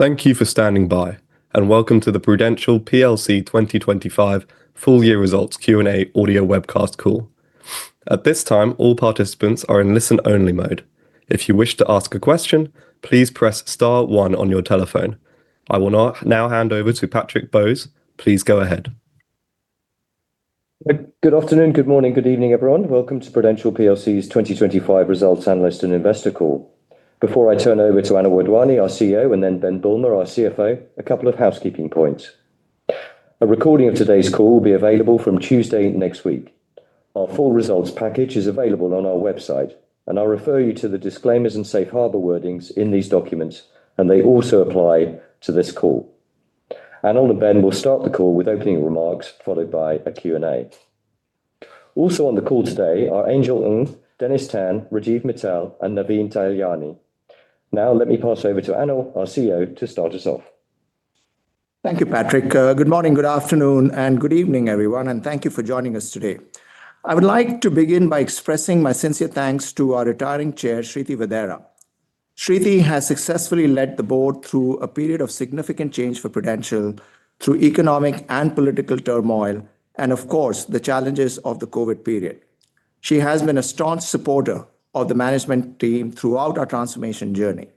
Thank you for standing by, and welcome to the Prudential plc 2025 full year results Q&A audio webcast call. At this time, all participants are in listen only mode. If you wish to ask a question, please press star one on your telephone. I will now hand over to Patrick Bowes. Please go ahead. Good afternoon, good morning, good evening, everyone. Welcome to Prudential plc's 2025 results analyst and investor call. Before I turn over to Anil Wadhwani, our CEO, and then Ben Bulmer, our CFO, a couple of housekeeping points. A recording of today's call will be available from Tuesday next week. Our full results package is available on our website, and I refer you to the disclaimers and safe harbor wordings in these documents, and they also apply to this call. Anil and Ben will start the call with opening remarks, followed by a Q&A. Also on the call today are Angel Ng, Dennis Tan, Rajeev Mittal, and Naveen Tahilyani. Now let me pass over to Anil, our CEO, to start us off. Thank you, Patrick. Good morning, good afternoon, and good evening, everyone, and thank you for joining us today. I would like to begin by expressing my sincere thanks to our retiring Chair, Shriti Vadera. Shriti has successfully led the board through a period of significant change for Prudential through economic and political turmoil, and of course, the challenges of the COVID period. She has been a staunch supporter of the management team throughout our transformation journey.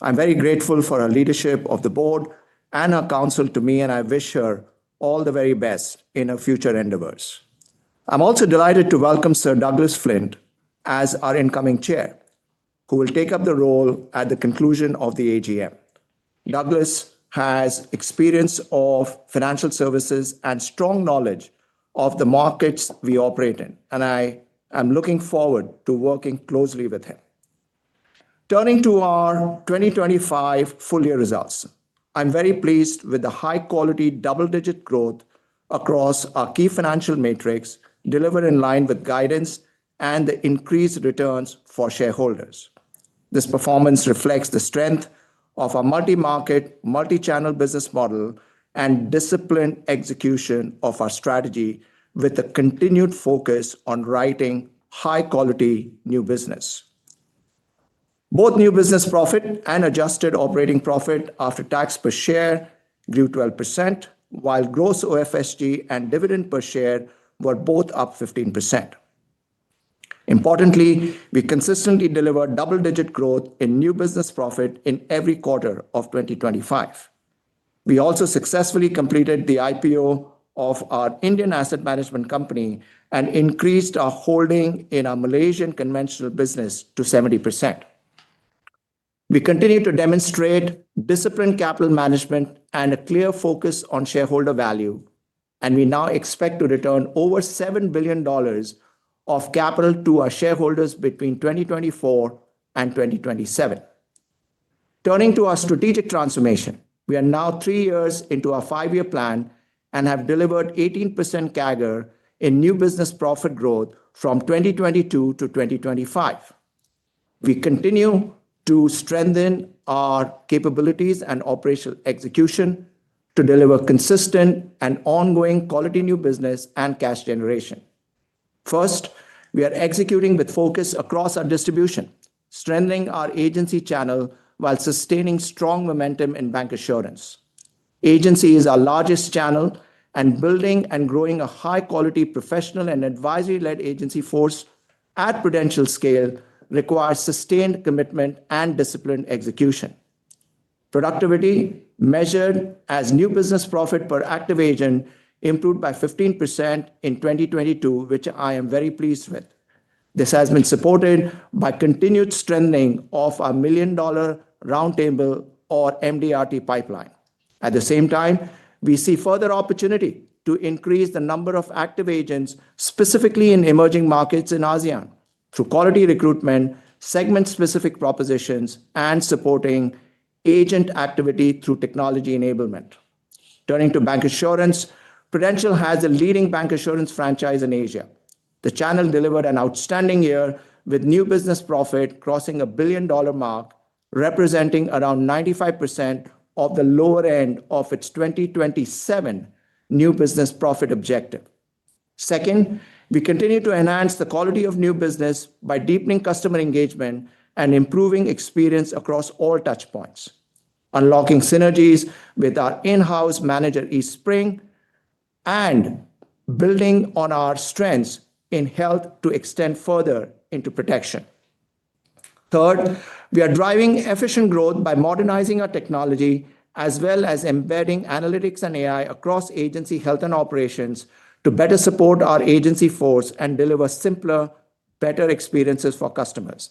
I'm very grateful for her leadership of the board and her counsel to me, and I wish her all the very best in her future endeavors. I'm also delighted to welcome Sir Douglas Flint as our incoming Chair, who will take up the role at the conclusion of the AGM. Douglas has experience of financial services and strong knowledge of the markets we operate in, and I am looking forward to working closely with him. Turning to our 2025 full-year results. I'm very pleased with the high-quality double-digit growth across our key financial metrics delivered in line with guidance and the increased returns for shareholders. This performance reflects the strength of our multi-market, multi-channel business model and disciplined execution of our strategy with a continued focus on writing high-quality new business. Both new business profit and adjusted operating profit after tax per share grew 12%, while gross OFSG and dividend per share were both up 15%. Importantly, we consistently delivered double-digit growth in new business profit in every quarter of 2025. We also successfully completed the IPO of our Indian asset management company and increased our holding in our Malaysian conventional business to 70%. We continue to demonstrate disciplined capital management and a clear focus on shareholder value, and we now expect to return over $7 billion of capital to our shareholders between 2024 and 2027. Turning to our strategic transformation. We are now three years into our five-year plan and have delivered 18% CAGR in new business profit growth from 2022-2025. We continue to strengthen our capabilities and operational execution to deliver consistent and ongoing quality new business and cash generation. First, we are executing with focus across our distribution, strengthening our agency channel while sustaining strong momentum in bancassurance. Agency is our largest channel, and building and growing a high-quality professional and advisory-led agency force at Prudential scale requires sustained commitment and disciplined execution. Productivity, measured as new business profit per active agent, improved by 15% in 2022, which I am very pleased with. This has been supported by continued strengthening of our million-dollar roundtable or MDRT pipeline. At the same time, we see further opportunity to increase the number of active agents, specifically in emerging markets in ASEAN, through quality recruitment, segment-specific propositions, and supporting agent activity through technology enablement. Turning to bancassurance, Prudential has a leading bancassurance franchise in Asia. The channel delivered an outstanding year with new business profit crossing a $1 billion mark, representing around 95% of the lower end of its 2027 new business profit objective. Second, we continue to enhance the quality of new business by deepening customer engagement and improving experience across all touch points, unlocking synergies with our in-house manager, Eastspring, and building on our strengths in health to extend further into protection. Third, we are driving efficient growth by modernizing our technology as well as embedding analytics and AI across agency health and operations to better support our agency force and deliver simpler, better experiences for customers.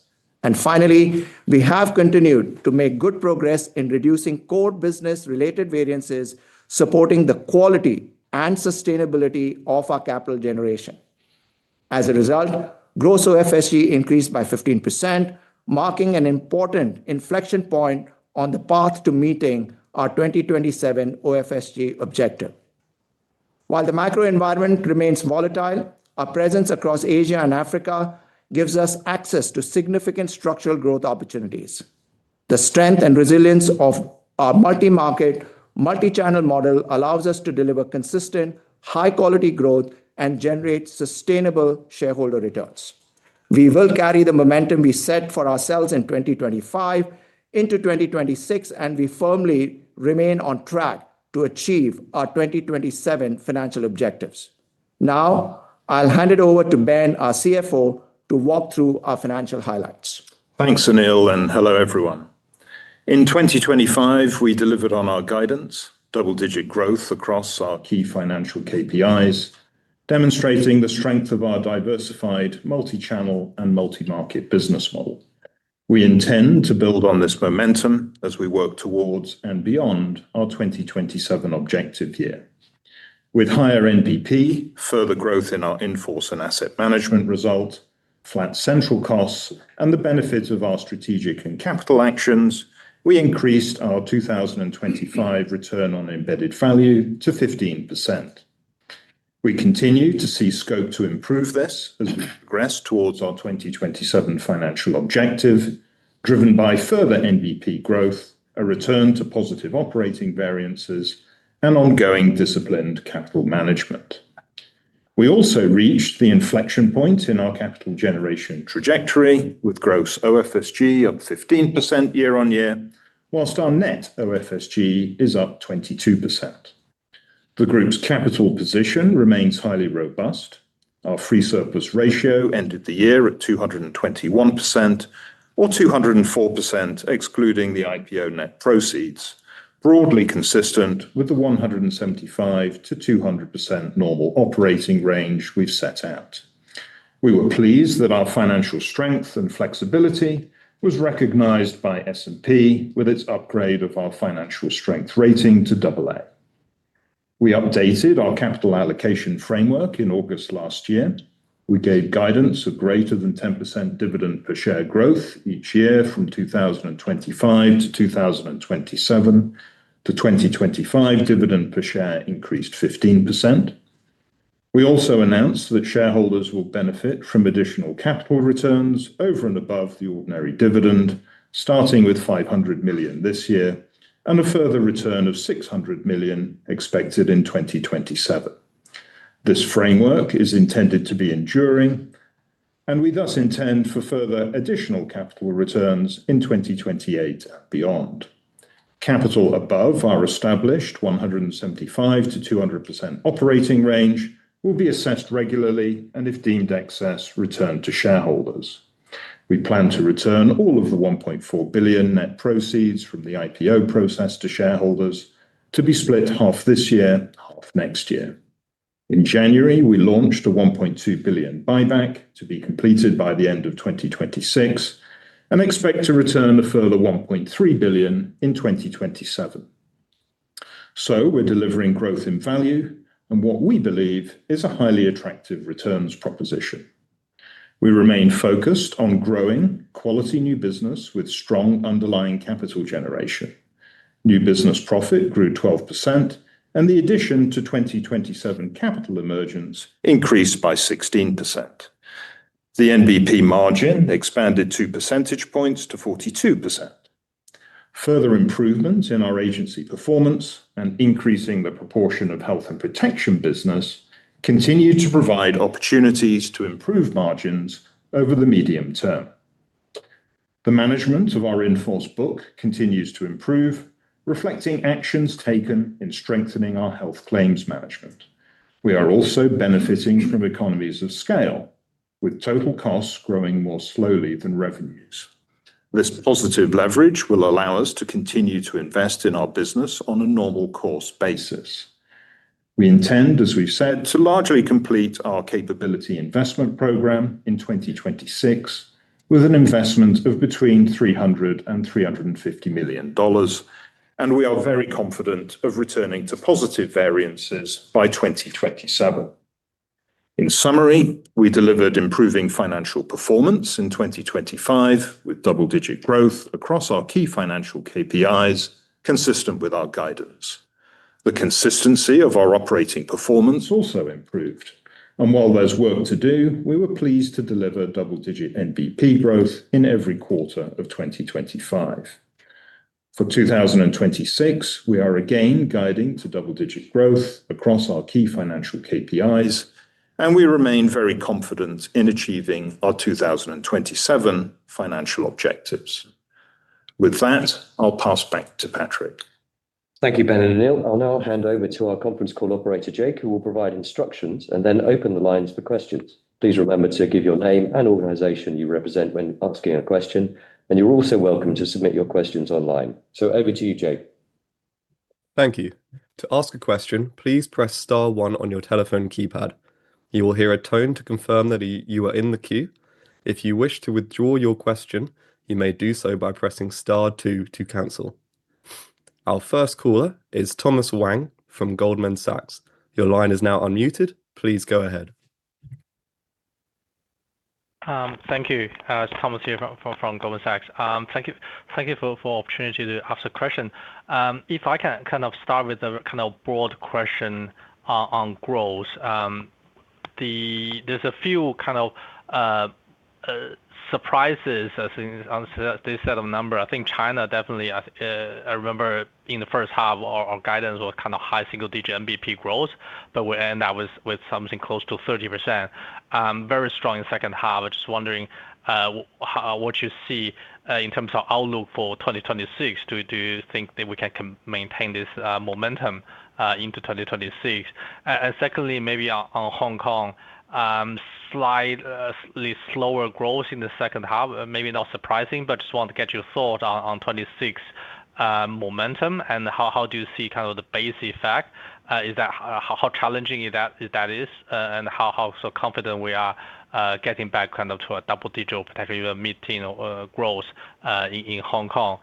Finally, we have continued to make good progress in reducing core business related variances, supporting the quality and sustainability of our capital generation. As a result, gross OFSG increased by 15%, marking an important inflection point on the path to meeting our 2027 OFSG objective. While the microenvironment remains volatile, our presence across Asia and Africa gives us access to significant structural growth opportunities. The strength and resilience of our multi-market, multi-channel model allows us to deliver consistent, high-quality growth and generate sustainable shareholder returns. We will carry the momentum we set for ourselves in 2025 into 2026, and we firmly remain on track to achieve our 2027 financial objectives. Now, I'll hand it over to Ben, our CFO, to walk through our financial highlights. Thanks, Anil, and hello, everyone. In 2025, we delivered on our guidance, double-digit growth across our key financial KPIs, demonstrating the strength of our diversified multi-channel and multi-market business model. We intend to build on this momentum as we work towards and beyond our 2027 objective year. With higher NBP, further growth in our in-force and asset management result, flat central costs, and the benefits of our strategic and capital actions, we increased our 2025 return on embedded value to 15%. We continue to see scope to improve this as we progress towards our 2027 financial objective, driven by further NBP growth, a return to positive operating variances, and ongoing disciplined capital management. We also reached the inflection point in our capital generation trajectory, with gross OFSG up 15% year-over-year, while our net OFSG is up 22%. The group's capital position remains highly robust. Our free surplus ratio ended the year at 221% or 204%, excluding the IPO net proceeds, broadly consistent with the 175%-200% normal operating range we've set out. We were pleased that our financial strength and flexibility was recognized by S&P with its upgrade of our financial strength rating to AA. We updated our capital allocation framework in August last year. We gave guidance of greater than 10% dividend per share growth each year from 2025-2027. The 2025 dividend per share increased 15%. We also announced that shareholders will benefit from additional capital returns over and above the ordinary dividend, starting with $500 million this year and a further return of $600 million expected in 2027. This framework is intended to be enduring, and we thus intend for further additional capital returns in 2028 and beyond. Capital above our established 175%-200% operating range will be assessed regularly and, if deemed excess, returned to shareholders. We plan to return all of the $1.4 billion net proceeds from the IPO process to shareholders to be split half this year, half next year. In January, we launched a $1.2 billion buyback to be completed by the end of 2026 and expect to return a further $1.3 billion in 2027. We're delivering growth in value and what we believe is a highly attractive returns proposition. We remain focused on growing quality new business with strong underlying capital generation. New business profit grew 12%, and the addition to 2027 capital emergence increased by 16%. The NBP margin expanded 2 percentage points to 42%. Further improvements in our agency performance and increasing the proportion of health and protection business continue to provide opportunities to improve margins over the medium term. The management of our in-force book continues to improve, reflecting actions taken in strengthening our health claims management. We are also benefiting from economies of scale, with total costs growing more slowly than revenues. This positive leverage will allow us to continue to invest in our business on a normal course basis. We intend, as we've said, to largely complete our capability investment program in 2026 with an investment of between $300 million and $350 million, and we are very confident of returning to positive variances by 2027. In summary, we delivered improving financial performance in 2025 with double-digit growth across our key financial KPIs, consistent with our guidance. The consistency of our operating performance also improved. While there's work to do, we were pleased to deliver double-digit NBP growth in every quarter of 2025. For 2026, we are again guiding to double-digit growth across our key financial KPIs, and we remain very confident in achieving our 2027 financial objectives. With that, I'll pass back to Patrick. Thank you, Ben and Anil. I'll now hand over to our conference call operator, Jake, who will provide instructions and then open the lines for questions. Please remember to give your name and organization you represent when asking a question, and you're also welcome to submit your questions online. Over to you, Jake. Thank you. To ask a question, please press star one on your telephone keypad. You will hear a tone to confirm that you are in the queue. If you wish to withdraw your question, you may do so by pressing star two to cancel. Our first caller is Thomas Wang from Goldman Sachs. Your line is now unmuted. Please go ahead. Thank you. It's Thomas here from Goldman Sachs. Thank you for the opportunity to ask a question. If I can kind of start with a kind of broad question on growth. There's a few kind of surprises I think on this set of numbers. I think China definitely, I remember in the first half our guidance was kind of high single digit NBP growth, but we ended up with something close to 30%. Very strong in second half. I'm just wondering what you see in terms of outlook for 2026. Do you think that we can maintain this momentum into 2026? Secondly, maybe on Hong Kong. Slightly slower growth in the second half, maybe not surprising, but just want to get your thought on 2026 momentum and how do you see kind of the base effect, how challenging is that? How confident we are getting back kind of to a double-digit or potentially even mid-teen growth in Hong Kong.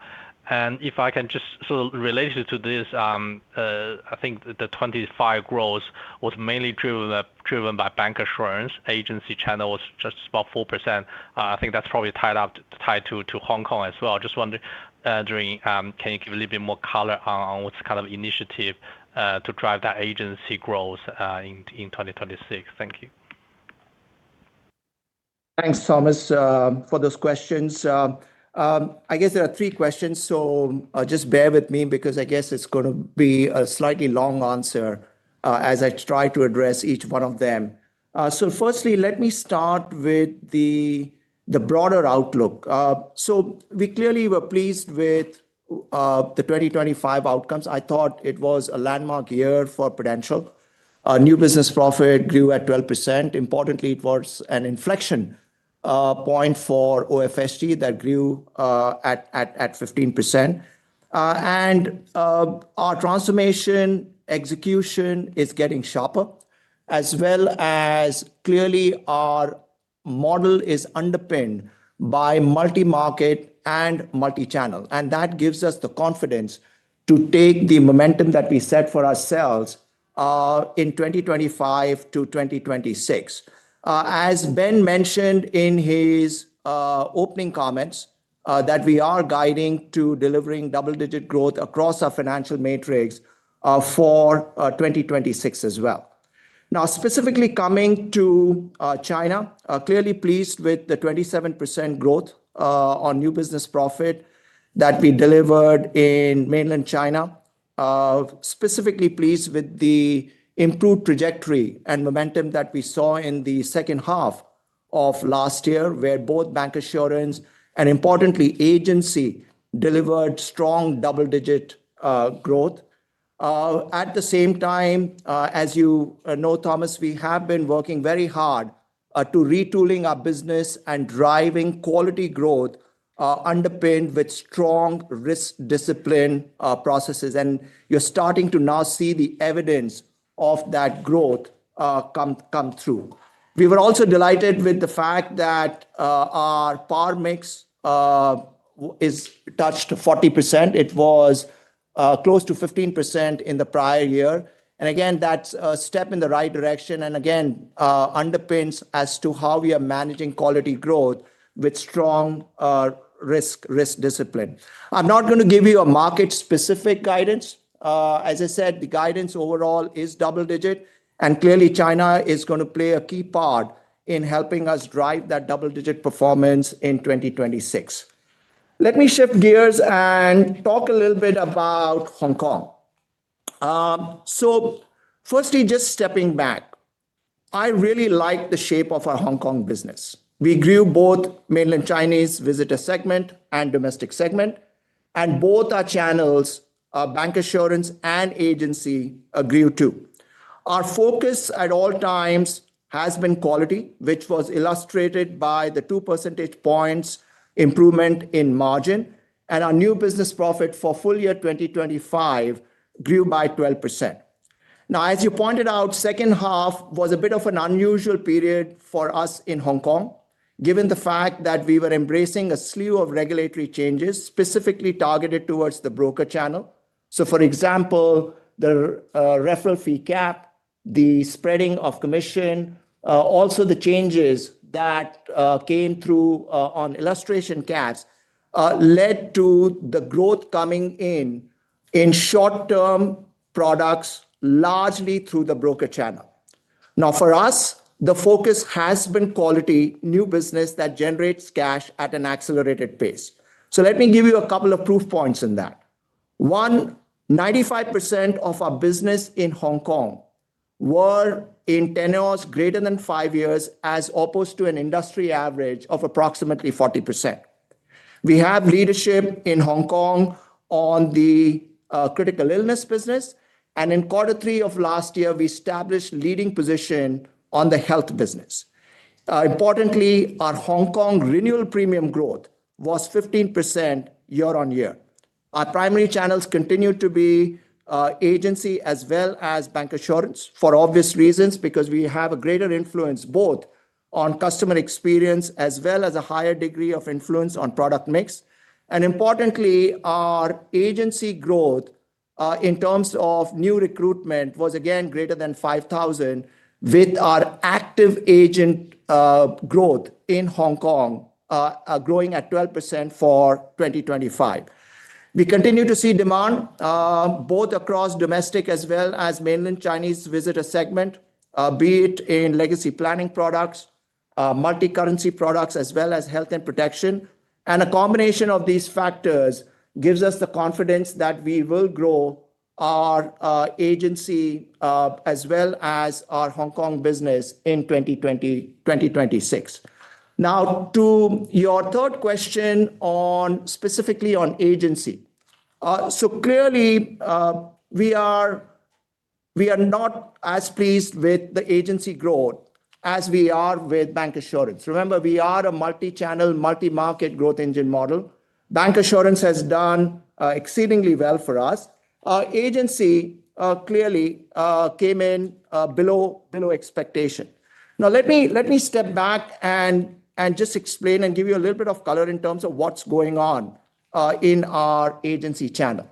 If I can just sort of related to this, I think the 2025 growth was mainly driven by bancassurance agency channel was just about 4%. I think that's probably tied to Hong Kong as well. Just wondering, can you give a little bit more color on what initiatives to drive that agency growth in 2026? Thank you. Thanks, Thomas, for those questions. I guess there are three questions, so just bear with me because I guess it's gonna be a slightly long answer as I try to address each one of them. Firstly let me start with the broader outlook. We clearly were pleased with the 2025 outcomes. I thought it was a landmark year for Prudential. Our new business profit grew at 12%. Importantly, it was an inflection point for OFSG that grew at 15%. Our transformation execution is getting sharper as well as clearly our model is underpinned by multi-market and multi-channel. That gives us the confidence to take the momentum that we set for ourselves in 2025-2026. As Ben mentioned in his opening comments that we are guiding to delivering double-digit growth across our financial metrics for 2026 as well. Now, specifically coming to China. Clearly pleased with the 27% growth on new business profit that we delivered in Mainland China. Specifically pleased with the improved trajectory and momentum that we saw in the second half of last year where both bancassurance and importantly agency delivered strong double-digit growth. At the same time, as you know, Thomas, we have been working very hard to retooling our business and driving quality growth underpinned with strong risk discipline processes. You're starting to now see the evidence of that growth come through. We were also delighted with the fact that our par mix is touched to 40%. It was close to 15% in the prior year. That's a step in the right direction. That underpins as to how we are managing quality growth with strong risk discipline. I'm not gonna give you market-specific guidance. As I said, the guidance overall is double-digit, and clearly China is gonna play a key part in helping us drive that double-digit performance in 2026. Let me shift gears and talk a little bit about Hong Kong. Firstly, just stepping back. I really like the shape of our Hong Kong business. We grew both mainland Chinese visitor segment and domestic segment, and both our channels, bancassurance and agency grew too. Our focus at all times has been quality, which was illustrated by the 2 percentage points improvement in margin and our new business profit for full year 2025 grew by 12%. Now, as you pointed out, second half was a bit of an unusual period for us in Hong Kong, given the fact that we were embracing a slew of regulatory changes specifically targeted towards the broker channel. For example, the referral fee cap, the spreading of commission, also the changes that came through on illustration gaps, led to the growth coming in in short term products, largely through the broker channel. Now for us, the focus has been quality new business that generates cash at an accelerated pace. Let me give you a couple of proof points in that. One, 95% of our business in Hong Kong were in tenures greater than five years, as opposed to an industry average of approximately 40%. We have leadership in Hong Kong on the critical illness business. In quarter three of last year, we established leading position on the health business. Importantly, our Hong Kong renewal premium growth was 15% year-on-year. Our primary channels continued to be agency as well as bancassurance for obvious reasons, because we have a greater influence both on customer experience as well as a higher degree of influence on product mix. Importantly, our agency growth in terms of new recruitment was again greater than 5,000, with our active agent growth in Hong Kong growing at 12% for 2025. We continue to see demand, both across domestic as well as mainland Chinese visitor segment. Be it in legacy planning products, multi-currency products, as well as health and protection. A combination of these factors gives us the confidence that we will grow our agency, as well as our Hong Kong business in 2020, 2026. Now, to your third question on specifically on agency. Clearly, we are not as pleased with the agency growth as we are with bancassurance. Remember, we are a multi-channel, multi-market growth engine model. Bancassurance has done exceedingly well for us. Our agency clearly came in below expectation. Now, let me step back and just explain and give you a little bit of color in terms of what's going on in our agency channel.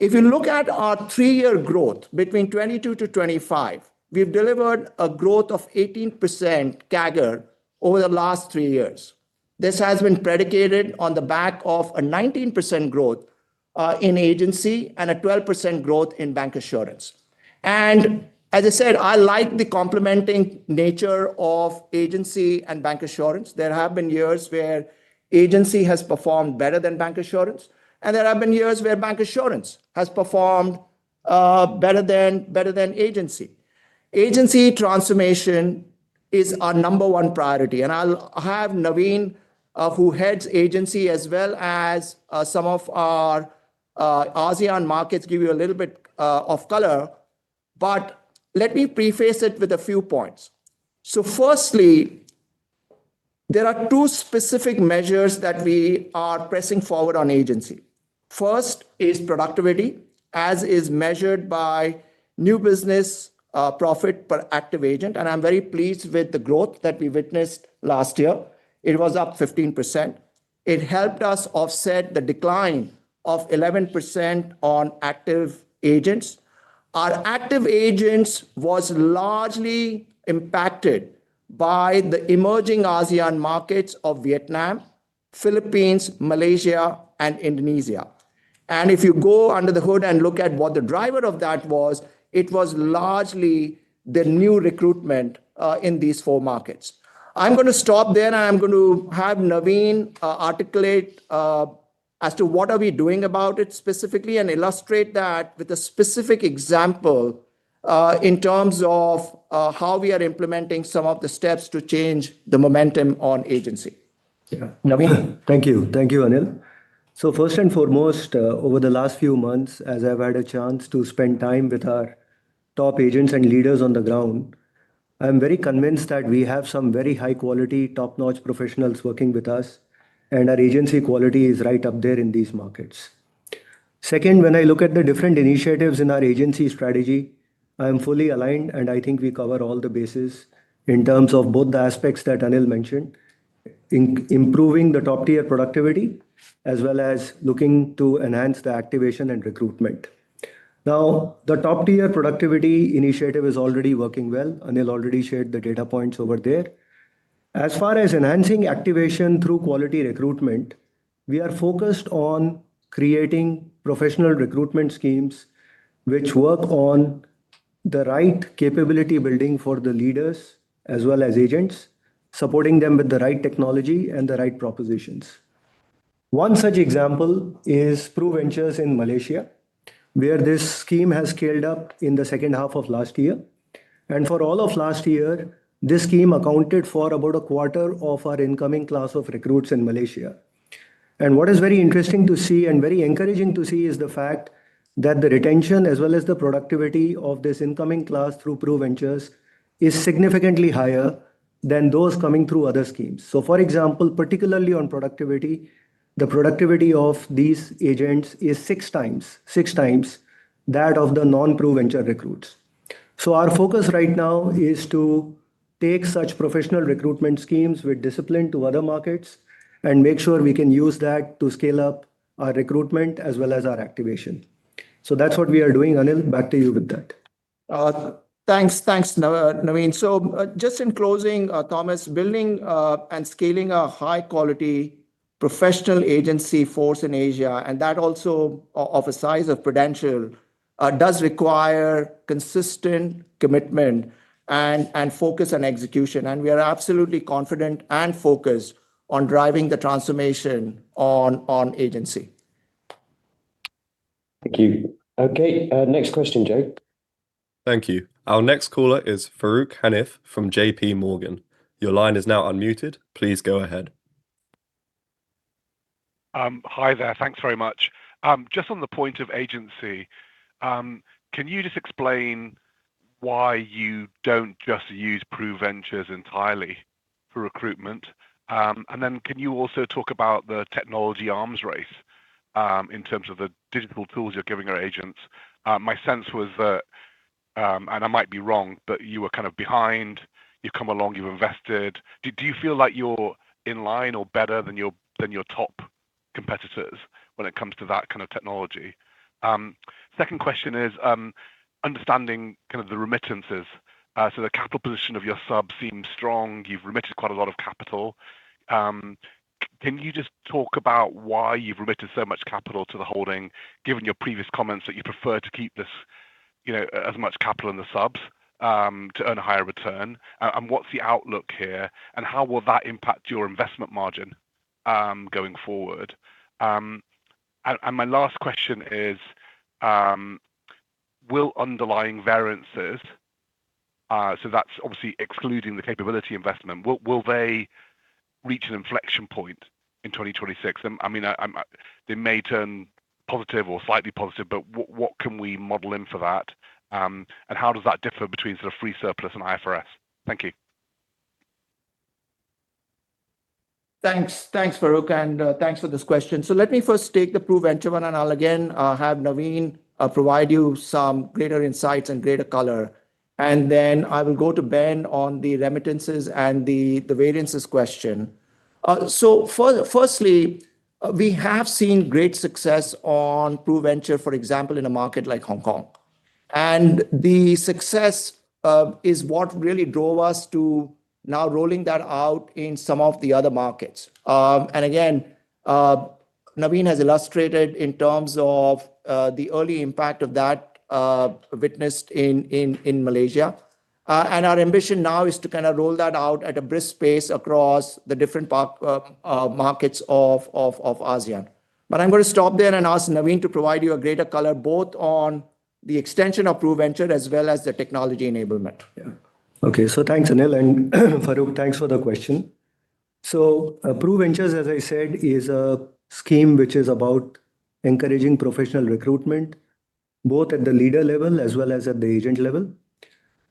If you look at our three-year growth between 2022-2025, we've delivered a growth of 18% CAGR over the last three years. This has been predicated on the back of a 19% growth in agency and a 12% growth in bancassurance. As I said, I like the complementing nature of agency and bancassurance. There have been years where agency has performed better than bancassurance, and there have been years where bancassurance has performed better than agency. Agency transformation is our number one priority. I'll have Naveen, who heads agency as well as some of our ASEAN markets give you a little bit of color. Let me preface it with a few points. Firstly, there are two specific measures that we are pressing forward on agency. First is productivity, as is measured by new business profit per active agent. I'm very pleased with the growth that we witnessed last year. It was up 15%. It helped us offset the decline of 11% on active agents. Our active agents was largely impacted by the emerging ASEAN markets of Vietnam, Philippines, Malaysia, and Indonesia. If you go under the hood and look at what the driver of that was, it was largely the new recruitment in these four markets. I'm gonna stop there, and I'm going to have Naveen articulate as to what are we doing about it specifically and illustrate that with a specific example in terms of how we are implementing some of the steps to change the momentum on agency. Yeah. Naveen. Thank you. Thank you, Anil. First and foremost, over the last few months, as I've had a chance to spend time with our top agents and leaders on the ground, I'm very convinced that we have some very high quality, top-notch professionals working with us, and our agency quality is right up there in these markets. Second, when I look at the different initiatives in our agency strategy, I am fully aligned, and I think we cover all the bases in terms of both the aspects that Anil mentioned, improving the top-tier productivity, as well as looking to enhance the activation and recruitment. Now, the top-tier productivity initiative is already working well. Anil already shared the data points over there. As far as enhancing activation through quality recruitment, we are focused on creating professional recruitment schemes which work on the right capability building for the leaders as well as agents, supporting them with the right technology and the right propositions. One such example is PRUVenture in Malaysia, where this scheme has scaled up in the second half of last year. For all of last year, this scheme accounted for about a quarter of our incoming class of recruits in Malaysia. What is very interesting to see and very encouraging to see is the fact that the retention as well as the productivity of this incoming class through PRUVenture is significantly higher than those coming through other schemes. For example, particularly on productivity, the productivity of these agents is six times that of the non-PRUVenture recruits. Our focus right now is to take such professional recruitment schemes with discipline to other markets and make sure we can use that to scale up our recruitment as well as our activation. That's what we are doing. Anil, back to you with that. Thanks. Thanks, Naveen. Just in closing, Thomas, building and scaling a high-quality professional agency force in Asia, and that also of a size of Prudential, does require consistent commitment and focus and execution. We are absolutely confident and focused on driving the transformation on agency. Thank you. Okay, next question, Jake. Thank you. Our next caller is Farooq Hanif from JPMorgan. Your line is now unmuted. Please go ahead. Hi there. Thanks very much. Just on the point of agency, can you just explain why you don't just use PRUVenture entirely for recruitment? Then can you also talk about the technology arms race, in terms of the digital tools you're giving your agents? My sense was that, and I might be wrong, but you were kind of behind. You've come along, you've invested. Do you feel like you're in line or better than your top competitors when it comes to that kind of technology? Second question is, understanding kind of the remittances. The capital position of your sub seems strong. You've remitted quite a lot of capital. Can you just talk about why you've remitted so much capital to the holding, given your previous comments that you prefer to keep this, you know, as much capital in the subs, to earn a higher return? What's the outlook here, and how will that impact your investment margin, going forward? My last question is, will underlying variances, so that's obviously excluding the capability investment, will they reach an inflection point in 2026? I mean, they may turn positive or slightly positive, but what can we model in for that, and how does that differ between sort of free surplus and IFRS? Thank you. Thanks. Thanks, Farooq, and thanks for this question. Let me first take the PRUVenture one, and I'll again have Naveen provide you some greater insights and greater color. I will go to Ben on the remittances and the variances question. First, we have seen great success on PRUVenture, for example, in a market like Hong Kong. The success is what really drove us to now rolling that out in some of the other markets. Again, Naveen has illustrated in terms of the early impact of that witnessed in Malaysia. Our ambition now is to kinda roll that out at a brisk pace across the different markets of ASEAN. I'm gonna stop there and ask Naveen to provide you a greater color, both on the extension of PRUVenture as well as the technology enablement. Thanks, Anil, and Farooq, thanks for the question. PRUVenture as I said, is a scheme which is about encouraging professional recruitment, both at the leader level as well as at the agent level.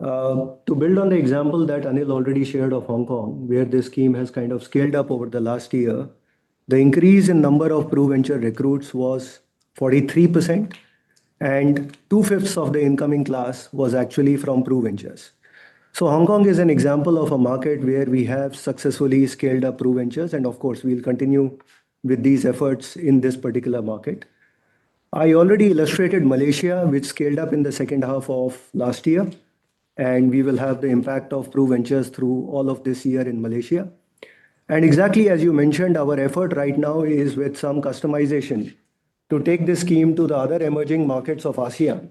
To build on the example that Anil already shared of Hong Kong, where this scheme has kind of scaled up over the last year, the increase in number of PRUVenture recruits was 43%, and 2/5 of the incoming class was actually from PRUVenture. Hong Kong is an example of a market where we have successfully scaled up PRUVenture, and of course, we'll continue with these efforts in this particular market. I already illustrated Malaysia, which scaled up in the second half of last year, and we will have the impact of PRUVenture through all of this year in Malaysia. Exactly as you mentioned, our effort right now is with some customization to take this scheme to the other emerging markets of ASEAN,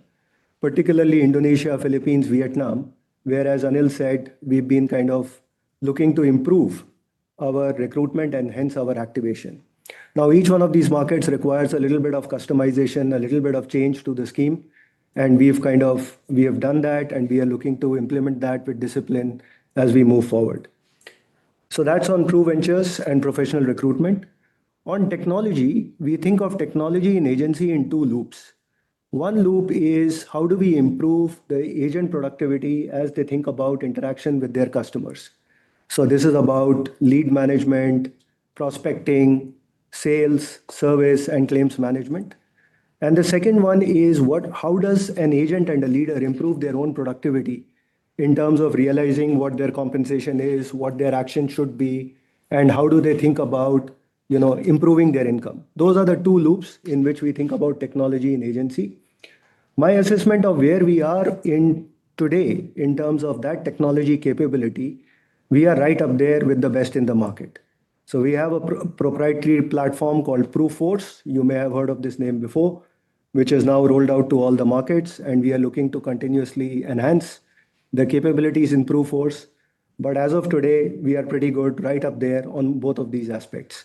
particularly Indonesia, Philippines, Vietnam, whereas Anil said we've been kind of looking to improve our recruitment and hence our activation. Now, each one of these markets requires a little bit of customization, a little bit of change to the scheme, and we've kind of done that, and we are looking to implement that with discipline as we move forward. That's on PRUVenture and professional recruitment. On technology, we think of technology and agency in two loops. One loop is how do we improve the agent productivity as they think about interaction with their customers. This is about lead management, prospecting, sales, service, and claims management. The second one is how does an agent and a leader improve their own productivity in terms of realizing what their compensation is, what their action should be, and how do they think about, you know, improving their income? Those are the two loops in which we think about technology and agency. My assessment of where we are today in terms of that technology capability, we are right up there with the best in the market. We have a proprietary platform called PRUForce, you may have heard of this name before, which is now rolled out to all the markets, and we are looking to continuously enhance the capabilities in PRUForce. But as of today, we are pretty good right up there on both of these aspects.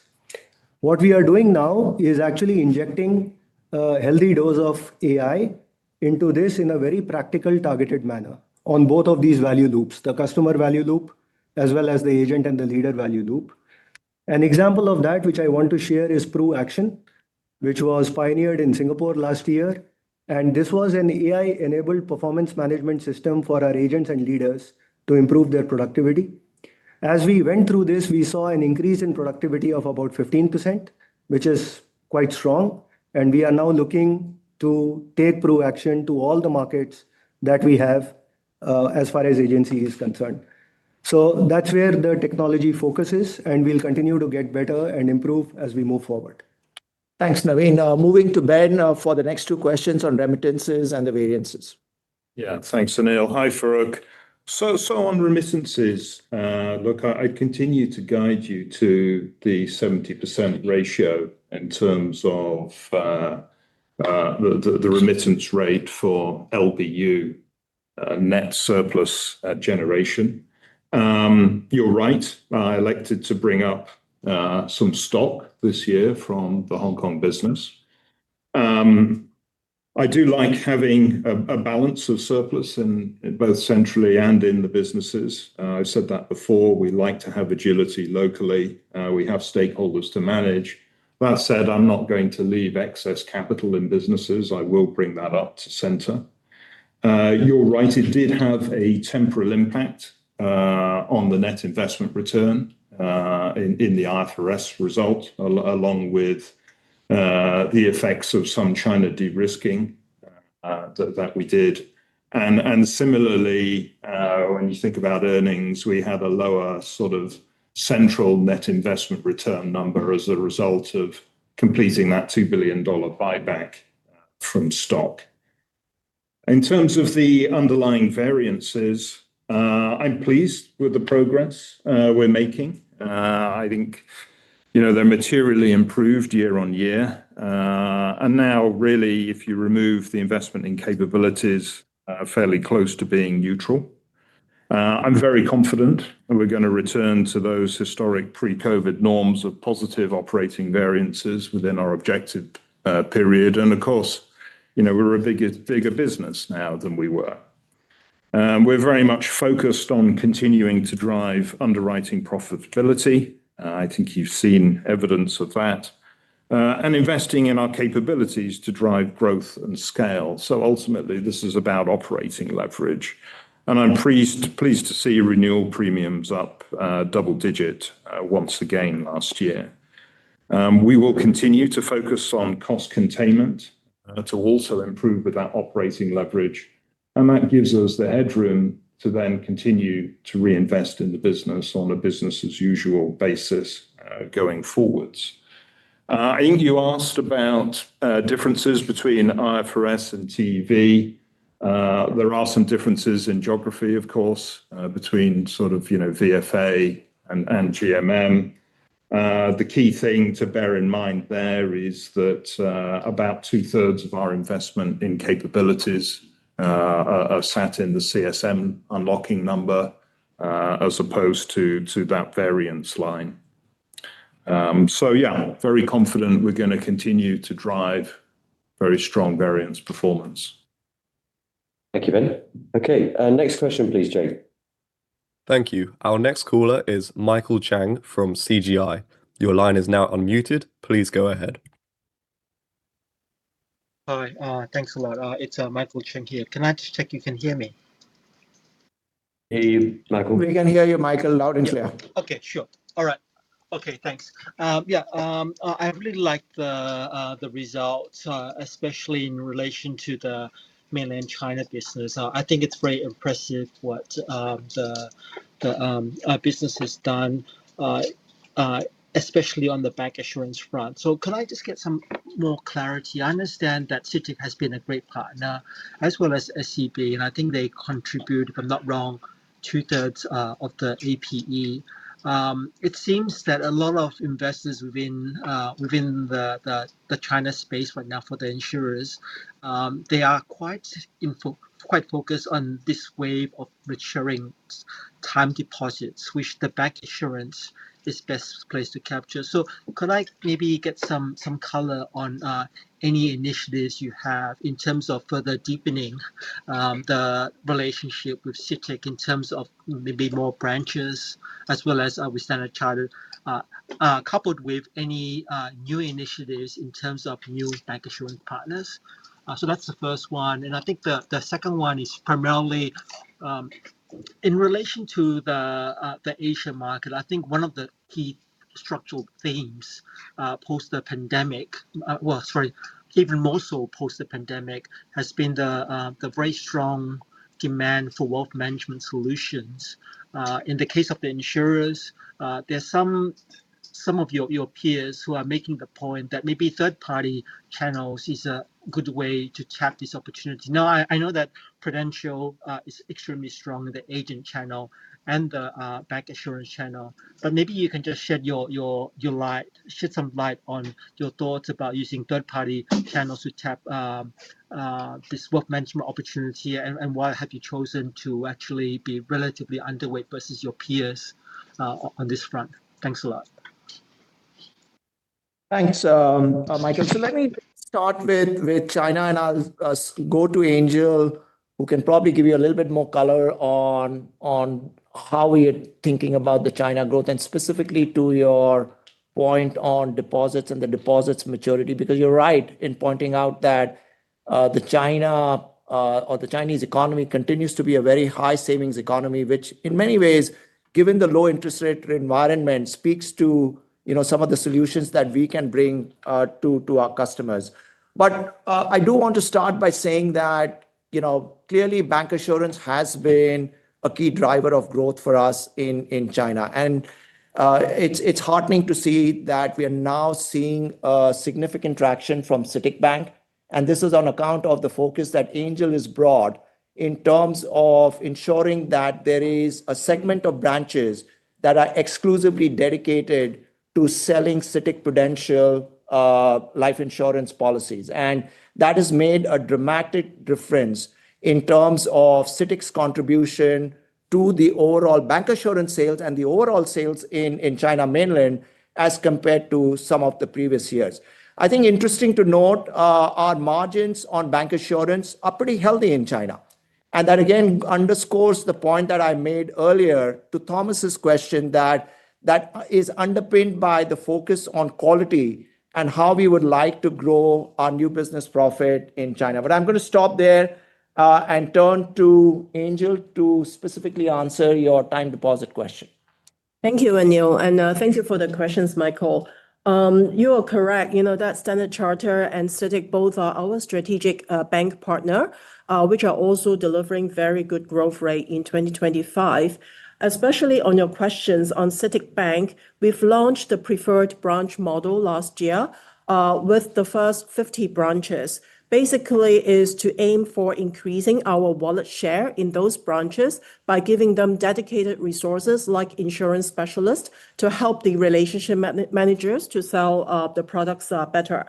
What we are doing now is actually injecting a healthy dose of AI into this in a very practical, targeted manner on both of these value loops, the customer value loop as well as the agent and the leader value loop. An example of that which I want to share is PRUAction, which was pioneered in Singapore last year. This was an AI-enabled performance management system for our agents and leaders to improve their productivity. As we went through this, we saw an increase in productivity of about 15%, which is quite strong, and we are now looking to take PRUAction to all the markets that we have, as far as agency is concerned. That's where the technology focuses, and we'll continue to get better and improve as we move forward. Thanks, Naveen. Moving to Ben, for the next two questions on remittances and the variances. Yeah. Thanks, Anil. Hi, Farooq. On remittances, look, I continue to guide you to the 70% ratio in terms of the remittance rate for LBU net surplus generation. You're right. I elected to bring up some stock this year from the Hong Kong business. I do like having a balance of surplus in both centrally and in the businesses. I've said that before. We like to have agility locally. We have stakeholders to manage. That said, I'm not going to leave excess capital in businesses. I will bring that up to center. You're right. It did have a temporal impact on the net investment return in the IFRS result, along with the effects of some China de-risking that we did. Similarly, when you think about earnings, we have a lower sort of central net investment return number as a result of completing that $2 billion stock buyback. In terms of the underlying variances, I'm pleased with the progress we're making. I think, you know, they're materially improved year-on-year. Now really if you remove the investment in capabilities are fairly close to being neutral. I'm very confident that we're gonna return to those historic pre-COVID norms of positive operating variances within our objective period. Of course, you know, we're a bigger business now than we were. We're very much focused on continuing to drive underwriting profitability. I think you've seen evidence of that, and investing in our capabilities to drive growth and scale. Ultimately this is about operating leverage, and I'm pleased to see renewal premiums up double-digit once again last year. We will continue to focus on cost containment, to also improve with that operating leverage, and that gives us the headroom to then continue to reinvest in the business on a business as usual basis, going forwards. I think you asked about differences between IFRS and TEV. There are some differences in geography, of course, between sort of, you know, VFA and GMM. The key thing to bear in mind there is that about 2/3 of our investment in capabilities are sat in the CSM unlocking number, as opposed to that variance line. Yeah, very confident we're gonna continue to drive very strong variance performance. Thank you, Ben. Okay. Next question please, Jake. Thank you. Our next caller is Michael Chang from CGS-CIMB. Your line is now unmuted. Please go ahead. Hi, thanks a lot. It's Michael Chang here. Can I just check you can hear me? Hey, Michael? We can hear you, Michael. Loud and clear. Okay. Sure. All right. Okay, thanks. Yeah, I really like the results, especially in relation to the Mainland China business. I think it's very impressive what the business has done, especially on the bancassurance front. Could I just get some more clarity? I understand that CITIC has been a great partner as well as SCB, and I think they contribute, if I'm not wrong, 2/3 of the APE. It seems that a lot of investors within the China space right now for the insurers, they are quite focused on this wave of maturing time deposits, which the bancassurance is best placed to capture. Could I maybe get some color on any initiatives you have in terms of further deepening the relationship with CITIC in terms of maybe more branches as well as with Standard Chartered coupled with any new initiatives in terms of new bancassurance partners? That's the first one, and I think the second one is primarily in relation to the Asia market. I think one of the key structural themes, even more so post the pandemic, has been the very strong demand for wealth management solutions. In the case of the insurers, there's some of your peers who are making the point that maybe third-party channels is a good way to tap this opportunity. Now, I know that Prudential is extremely strong in the agent channel and the bancassurance channel, but maybe you can just shed some light on your thoughts about using third party channels to tap this work management opportunity and why have you chosen to actually be relatively underweight versus your peers on this front. Thanks a lot. Thanks, Michael. Let me start with China and I'll go to Angel, who can probably give you a little bit more color on how we are thinking about the China growth and specifically to your point on deposits and the deposits maturity. Because you're right in pointing out that the Chinese economy continues to be a very high savings economy, which in many ways, given the low interest rate environment, speaks to, you know, some of the solutions that we can bring to our customers. I do want to start by saying that, you know, clearly bancassurance has been a key driver of growth for us in China. It's heartening to see that we are now seeing significant traction from CITIC Bank. This is on account of the focus that Angel has brought in terms of ensuring that there is a segment of branches that are exclusively dedicated to selling CITIC-Prudential Life insurance policies. That has made a dramatic difference in terms of CITIC's contribution to the overall bancassurance sales and the overall sales in Mainland China as compared to some of the previous years. I think interesting to note, our margins on bancassurance are pretty healthy in China, and that again underscores the point that I made earlier to Thomas' question that that is underpinned by the focus on quality and how we would like to grow our new business profit in China. I'm gonna stop there, and turn to Angel to specifically answer your time deposit question. Thank you, Anil. Thank you for the questions, Michael. You are correct, you know, that Standard Chartered and CITIC both are our strategic bank partner, which are also delivering very good growth rate in 2025. Especially on your questions on CITIC Bank, we've launched the preferred branch model last year with the first 50 branches. Basically is to aim for increasing our wallet share in those branches by giving them dedicated resources like insurance specialists to help the relationship managers to sell the products better.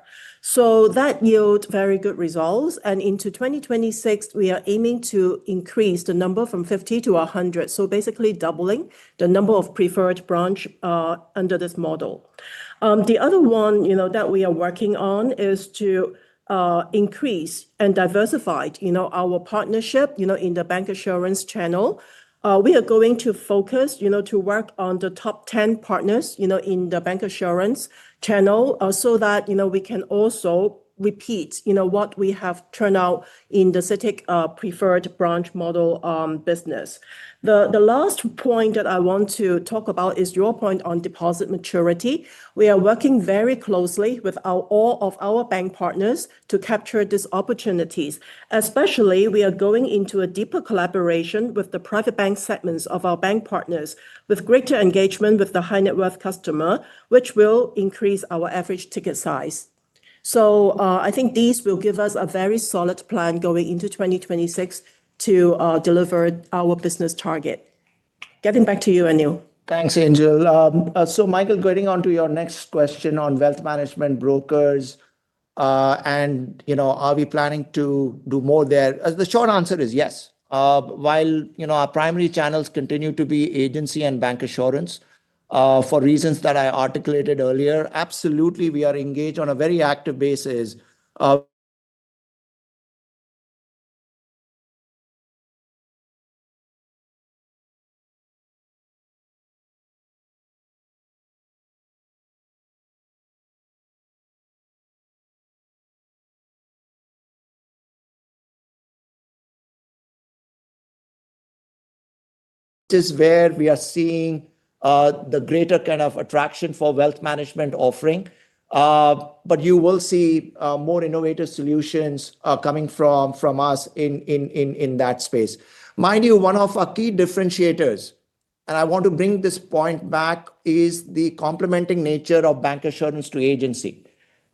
That yield very good results. Into 2026, we are aiming to increase the number from 50 to 100, so basically doubling the number of preferred branch under this model. The other one, you know, that we are working on is to increase and diversified, you know, our partnership, you know, in the bancassurance channel. We are going to focus, you know, to work on the top ten partners, you know, in the bancassurance channel, so that, you know, we can also repeat, you know, what we have turned out in the CITIC preferred branch model business. The last point that I want to talk about is your point on deposit maturity. We are working very closely with all of our bank partners to capture these opportunities. Especially, we are going into a deeper collaboration with the private bank segments of our bank partners with greater engagement with the high net worth customer, which will increase our average ticket size. I think these will give us a very solid plan going into 2026 to deliver our business target. Getting back to you, Anil. Thanks, Angel. Michael, getting on to your next question on wealth management brokers. You know, are we planning to do more there? The short answer is yes. While, you know, our primary channels continue to be agency and bancassurance, for reasons that I articulated earlier, absolutely, we are engaged on a very active basis, which is where we are seeing the greater kind of attraction for wealth management offering. You will see more innovative solutions coming from us in that space. Mind you, one of our key differentiators, and I want to bring this point back, is the complementing nature of bancassurance to agency.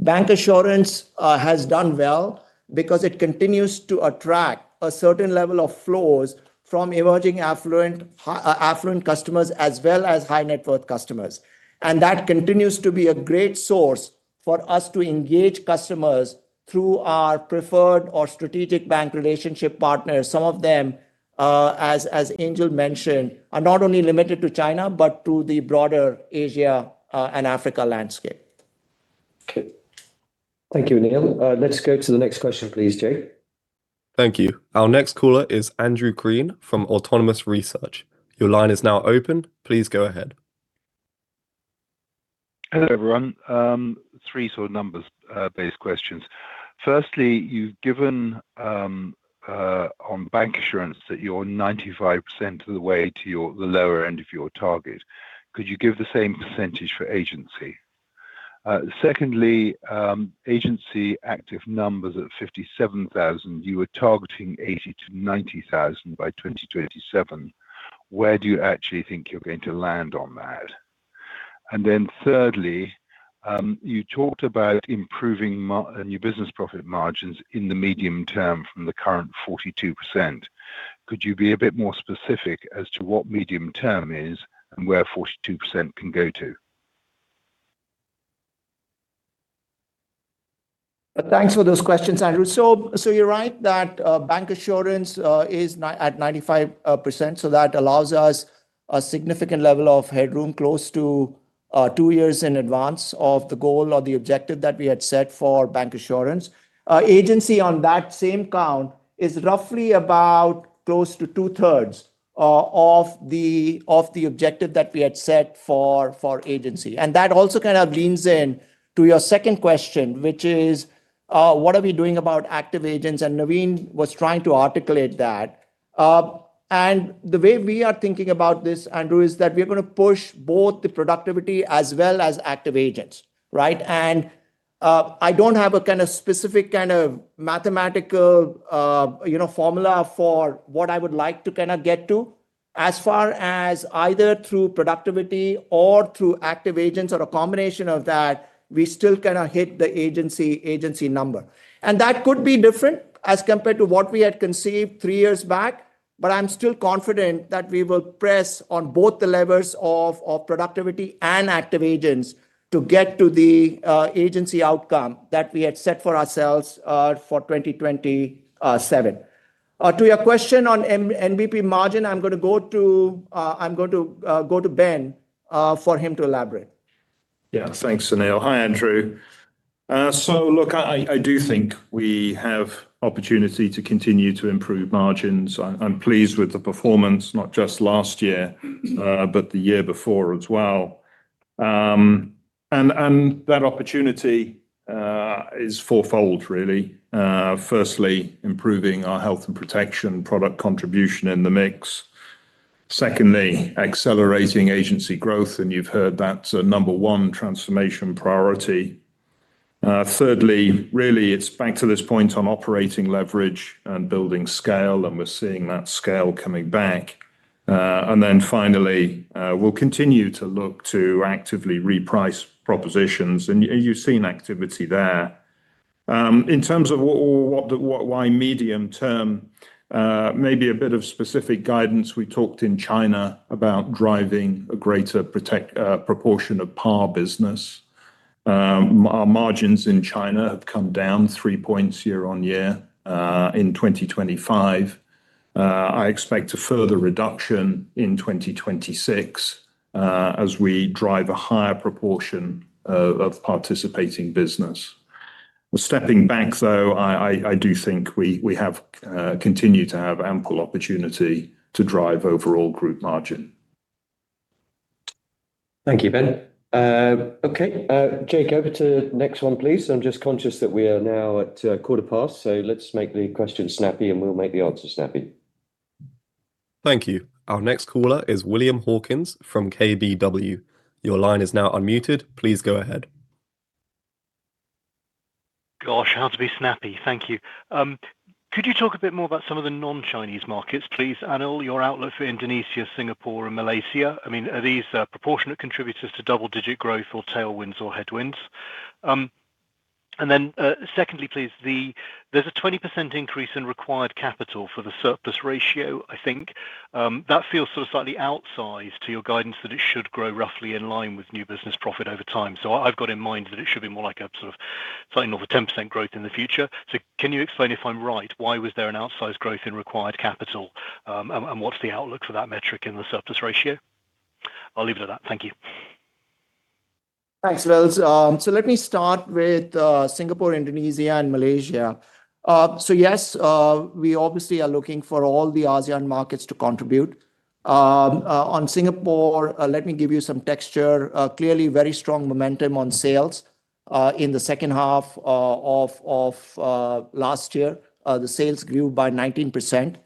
Bancassurance has done well because it continues to attract a certain level of flows from emerging affluent customers as well as high net worth customers. That continues to be a great source for us to engage customers through our preferred or strategic bank relationship partners. Some of them, as Angel mentioned, are not only limited to China, but to the broader Asia and Africa landscape. Okay. Thank you, Anil. Let's go to the next question, please, Jake. Thank you. Our next caller is Andrew Crean from Autonomous Research. Your line is now open. Please go ahead. Hello, everyone. Three sort of numbers based questions. Firstly, you've given on bancassurance that you're 95% of the way to your, the lower end of your target. Could you give the same percentage for agency? Secondly, agency active numbers at 57,000. You were targeting 80,000-90,000 by 2027. Where do you actually think you're going to land on that? Then thirdly, you talked about improving new business profit margins in the medium term from the current 42%. Could you be a bit more specific as to what medium term is and where 42% can go to? Thanks for those questions, Andrew. So you're right that bancassurance is at 95%, so that allows us a significant level of headroom close to two years in advance of the goal or the objective that we had set for bancassurance. Agency on that same count is roughly about close to 2/3 of the objective that we had set for agency. That also kind of leans into your second question, which is what are we doing about active agents? Naveen was trying to articulate that. The way we are thinking about this, Andrew, is that we're gonna push both the productivity as well as active agents, right? I don't have a kind of specific kind of mathematical, you know, formula for what I would like to kinda get to. As far as either through productivity or through active agents or a combination of that, we still kinda hit the agency number. That could be different as compared to what we had conceived three years back, but I'm still confident that we will press on both the levers of productivity and active agents to get to the agency outcome that we had set for ourselves for 2027. To your question on NBP margin, I'm going to go to Ben for him to elaborate. Thanks, Anil. Hi, Andrew. Look, I do think we have opportunity to continue to improve margins. I'm pleased with the performance, not just last year, but the year before as well. That opportunity is fourfold really. Firstly, improving our health and protection product contribution in the mix. Secondly, accelerating agency growth, and you've heard that's a number one transformation priority. Thirdly, really it's back to this point on operating leverage and building scale, and we're seeing that scale coming back. Finally, we'll continue to look to actively reprice propositions, and you've seen activity there. In terms of why medium-term, maybe a bit of specific guidance. We talked in China about driving a greater proportion of par business. Our margins in China have come down three points year-on-year in 2025. I expect a further reduction in 2026 as we drive a higher proportion of participating business. We're stepping back, though. I do think we continue to have ample opportunity to drive overall group margin. Thank you, Ben. Jake, over to next one, please. I'm just conscious that we are now at quarter past, so let's make the question snappy, and we'll make the answer snappy. Thank you. Our next caller is William Hawkins from KBW. Your line is now unmuted. Please go ahead. Gosh, how to be snappy. Thank you. Could you talk a bit more about some of the non-Chinese markets, please? Anil, your outlook for Indonesia, Singapore, and Malaysia. I mean, are these proportionate contributors to double-digit growth or tailwinds or headwinds? Secondly, please, there's a 20% increase in required capital for the surplus ratio, I think. That feels sort of slightly outsized to your guidance that it should grow roughly in line with new business profit over time. I've got in mind that it should be more like a sort of something over 10% growth in the future. Can you explain, if I'm right, why was there an outsized growth in required capital? And what's the outlook for that metric in the surplus ratio? I'll leave it at that. Thank you. Thanks, Wills. Let me start with Singapore, Indonesia, and Malaysia. We obviously are looking for all the ASEAN markets to contribute. On Singapore, let me give you some texture. Clearly very strong momentum on sales. In the second half of last year, the sales grew by 19%.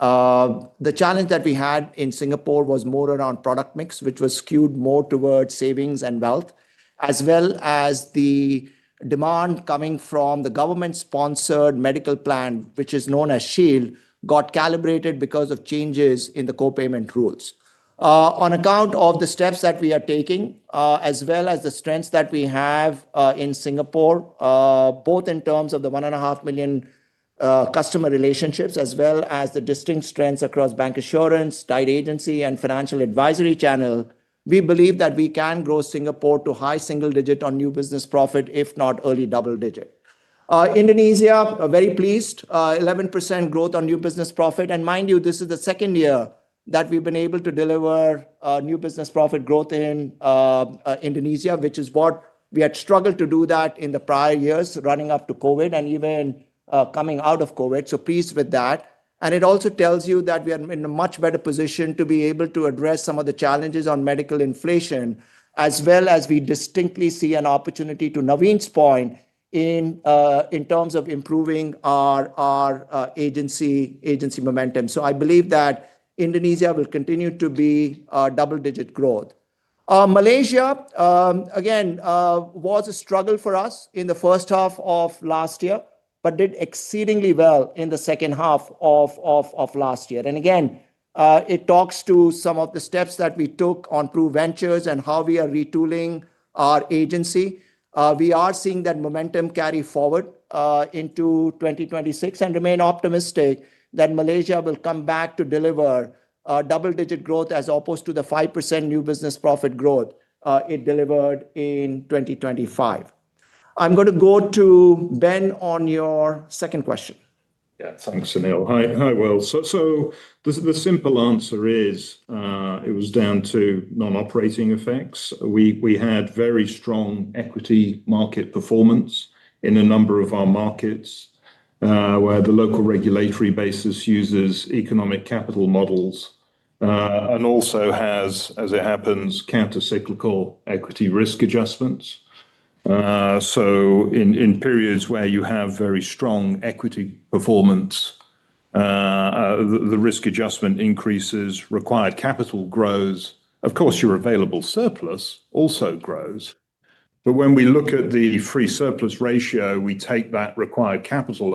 The challenge that we had in Singapore was more around product mix, which was skewed more towards savings and wealth, as well as the demand coming from the government-sponsored medical plan, which is known as Shield, got calibrated because of changes in the co-payment rules. On account of the steps that we are taking, as well as the strengths that we have in Singapore, both in terms of the 1.5 million customer relationships, as well as the distinct strengths across bancassurance, tied agency, and financial advisory channel. We believe that we can grow Singapore to high single-digit on new business profit, if not early double-digit. Indonesia, very pleased, 11% growth on new business profit. Mind you, this is the second year that we've been able to deliver new business profit growth in Indonesia, which is what we had struggled to do that in the prior years running up to COVID and even coming out of COVID. Pleased with that. It also tells you that we are in a much better position to be able to address some of the challenges on medical inflation, as well as we distinctly see an opportunity, to Naveen's point, in terms of improving our agency momentum. I believe that Indonesia will continue to be double-digit growth. Malaysia, again, was a struggle for us in the first half of last year, but did exceedingly well in the second half of last year. Again, it talks to some of the steps that we took on PRUVenture and how we are retooling our agency. We are seeing that momentum carry forward into 2026 and remain optimistic that Malaysia will come back to deliver double-digit growth as opposed to the 5% new business profit growth it delivered in 2025. I'm gonna go to Ben on your second question. Yeah. Thanks, Anil. Hi. Hi, Will. The simple answer is it was down to non-operating effects. We had very strong equity market performance in a number of our markets where the local regulatory basis uses economic capital models and also has, as it happens, countercyclical equity risk adjustments. In periods where you have very strong equity performance the risk adjustment increases, required capital grows. Of course, your available surplus also grows. When we look at the free surplus ratio, we take that required capital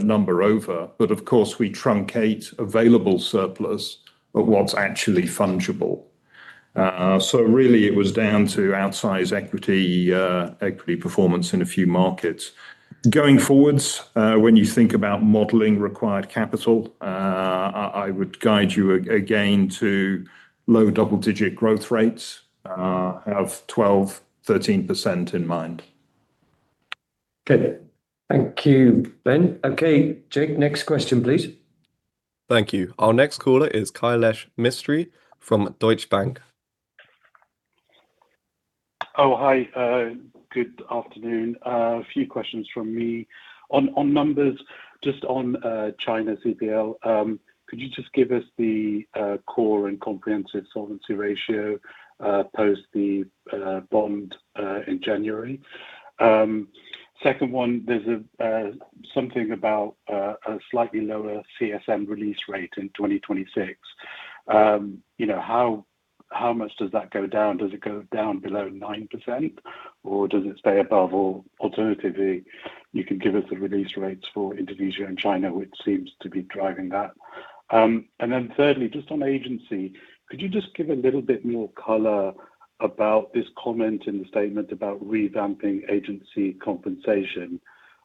number over. Of course, we truncate available surplus of what's actually fungible. Really it was down to outsize equity performance in a few markets. Going forward, when you think about modeling required capital, I would guide you again to low double-digit growth rates. Have 12%-13% in mind. Okay. Thank you, Ben. Okay, Jake, next question, please. Thank you. Our next caller is Kailesh Mistry from Deutsche Bank. Oh, hi. Good afternoon. A few questions from me. On numbers, just on China CPL, could you just give us the core and comprehensive solvency ratio post the bond in January? Second one, there's something about a slightly lower CSM release rate in 2026. You know, how much does that go down? Does it go down below 9% or does it stay above? Or alternatively, you can give us the release rates for Indonesia and China, which seems to be driving that. And then thirdly, just on agency, could you just give a little bit more color about this comment in the statement about revamping agency compensation?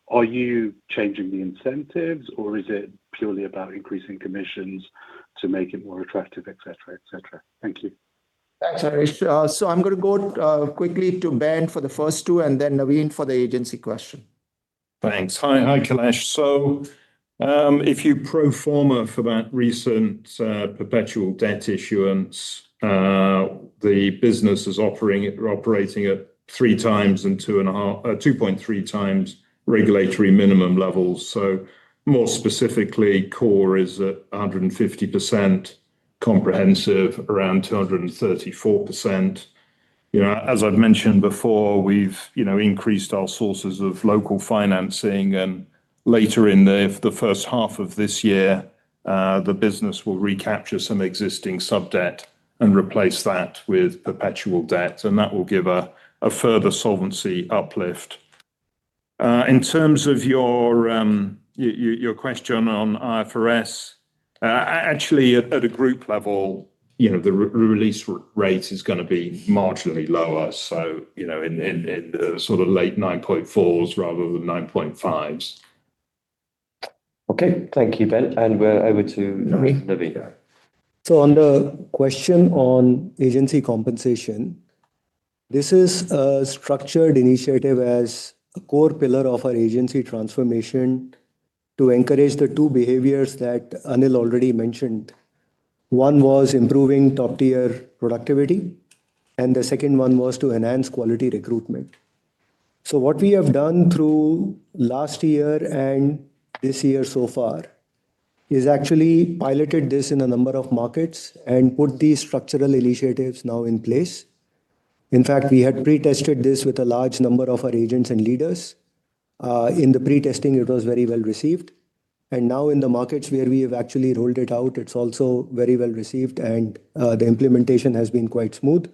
Are you changing the incentives or is it purely about increasing commissions to make it more attractive, et cetera, et cetera? Thank you. Thanks, Kailesh. I'm gonna go quickly to Ben for the first two and then Naveen for the agency question. Thanks. Hi. Hi, Kailesh. If you pro forma for that recent perpetual debt issuance, the business is operating at 3x and 2.3x regulatory minimum levels. More specifically, core is at 150% comprehensive, around 234%. You know, as I've mentioned before, we've increased our sources of local financing. Later in the first half of this year, the business will recapture some existing sub-debt and replace that with perpetual debt, and that will give a further solvency uplift. In terms of your question on IFRS, actually at a group level, you know, the release rate is gonna be marginally lower. You know, in the sort of late 9.4s rather than 9.5s. Okay. Thank you, Ben. We're over to Naveen. Great. On the question on agency compensation, this is a structured initiative as a core pillar of our agency transformation to encourage the two behaviors that Anil already mentioned. One was improving top-tier productivity, and the second one was to enhance quality recruitment. What we have done through last year and this year so far is actually piloted this in a number of markets and put these structured initiatives now in place. In fact, we had pre-tested this with a large number of our agents and leaders. In the pre-testing, it was very well received. Now in the markets where we have actually rolled it out, it's also very well received and the implementation has been quite smooth.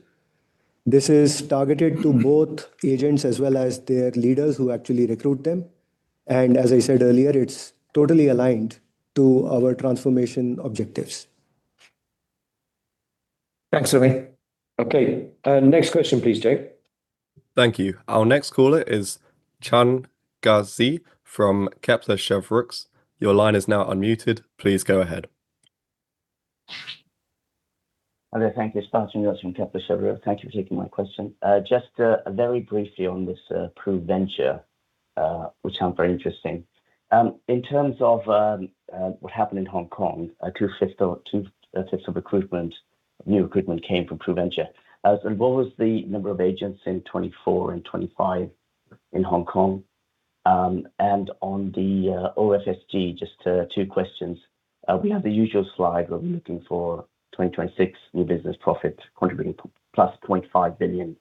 This is targeted to both agents as well as their leaders who actually recruit them. As I said earlier, it's totally aligned to our transformation objectives. Thanks, Naveen. Okay, next question, please, Jake. Thank you. Our next caller is Changazi from Kepler Cheuvreux. Your line is now unmuted. Please go ahead. Hello. Thank you. It's Fahad Changazi from Kepler Cheuvreux. Thank you for taking my question. Just very briefly on this PRUVenture, which sound very interesting. In terms of what happened in Hong Kong, 2/5 or 2/5 of recruitment, new recruitment came from PRUVenture. What was the number of agents in 2024 and 2025 in Hong Kong? And on the OFSG, just two questions. We have the usual slide where we're looking for 2026 new business profit contributing +$0.5 billion